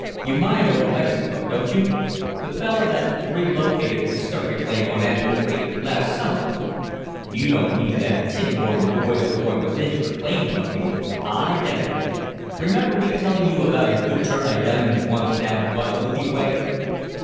You mind old Mexico, don't you? The feller that relocated Discovery Claim on Anvil Creek last summer?" "You don't mean that 'tin horn' the boys were going to lynch for claim jumping?" "Identical! Remember me tellin' you about a good turn I done him once down Guadalupe way?"